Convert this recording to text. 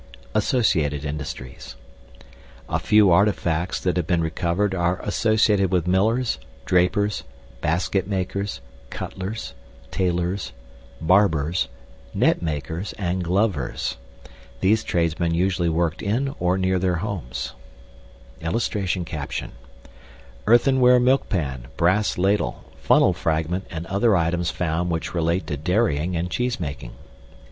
ASSOCIATED INDUSTRIES A few artifacts that have been recovered are associated with millers, drapers, basketmakers, cutlers, tailors, barbers, netmakers, and glovers. These tradesmen usually worked in or near their homes. [Illustration: EARTHENWARE MILK PAN, BRASS LADLE, FUNNEL FRAGMENT, AND OTHER ITEMS FOUND WHICH RELATE TO DAIRYING AND CHEESEMAKING.